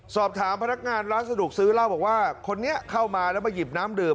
สอบถามพนักงานร้านสะดวกซื้อเล่าบอกว่าคนนี้เข้ามาแล้วมาหยิบน้ำดื่ม